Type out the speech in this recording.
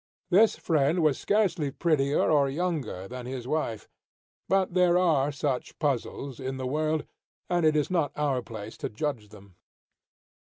This friend was scarcely prettier or younger than his wife; but there are such puzzles in the world, and it is not our place to judge them.